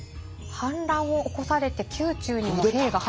反乱を起こされて宮中にも兵が。